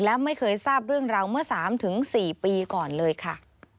และไม่เคยทราบเรื่องราวเมื่อ๓๔ปีก่อนเลยค่ะ